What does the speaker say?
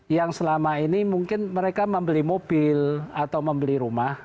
yang selama ini mungkin mereka membeli mobil atau membeli rumah